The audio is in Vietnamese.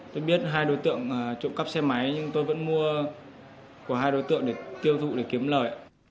tôi biết hai đối tượng trộm cắp xe máy nhưng tôi vẫn mua của hai đối tượng để tiêu thụ để kiếm lời